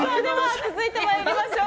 続いて参りましょう。